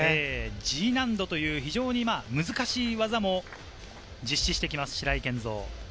Ｇ難度という非常に難しい技も実施してきます、白井健三。